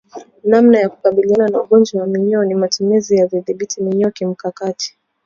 Namna ya kukabiliana na ugonjwa wa minyoo ni matumizi ya vidhibiti minyoo kimkakati